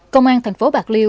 công an thành phố bạc điêu